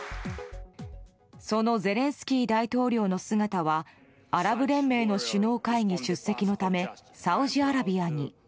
そのゼレンスキー大統領の姿はアラブ連盟の首脳会議出席のためサウジアラビアに。